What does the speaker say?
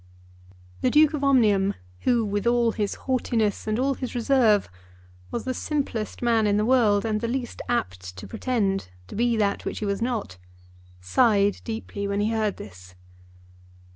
The Duke of Omnium, who with all his haughtiness and all his reserve, was the simplest man in the world and the least apt to pretend to be that which he was not, sighed deeply when he heard this.